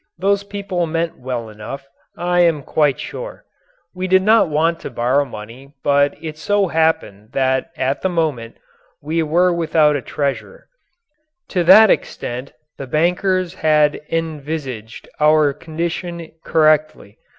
Those people meant well enough, I am quite sure. We did not want to borrow money but it so happened that at the moment we were without a treasurer. To that extent the bankers had envisaged our condition correctly.